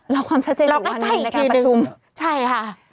รอความชัดใจจุดวันนี้ในการประทุมใช่ค่ะรอความชัดใจจุดวันนี้ในการประทุมใช่ค่ะ